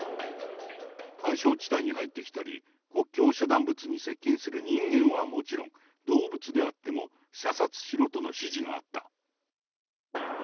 緩衝地帯に入ってきたり、国境遮断物に接近する人間はもちろん、動物であっても射殺しろとの指示があった。